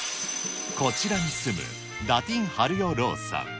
こちらに住むダティン・晴代・ローさん。